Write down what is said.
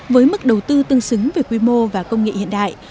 với mức đầu tư tương xứng về quy mô và công nghệ hiện đại